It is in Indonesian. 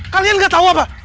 kalian gak tau apa